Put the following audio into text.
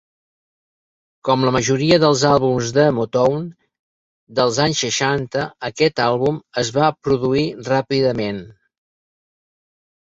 Com la majoria dels àlbums de Motown dels anys seixanta, aquest àlbum es va produir ràpidament.